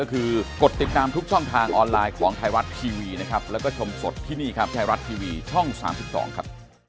คือต้องไปเป็นฝ่ายค่า